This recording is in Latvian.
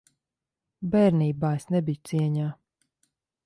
Bērnībā es nebiju cieņā.